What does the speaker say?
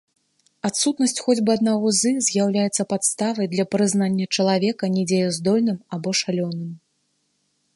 Адсутнасць хоць бы аднаго з іх з'яўляецца падставай для прызнання чалавека недзеяздольным або шалёным.